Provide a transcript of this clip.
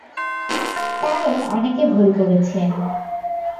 কারণ, অনেকে ভুল করেছেন।